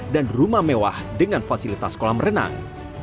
dan rumah mewah dengan fasilitas kolam renang